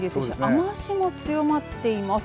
雨足も強まっています。